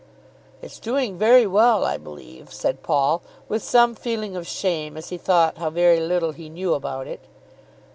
"It's doing very well, I believe," said Paul, with some feeling of shame, as he thought how very little he knew about it.